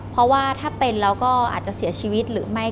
เพราะว่าถ้าเป็นแล้วก็อาจจะเสียชีวิตหรือไม่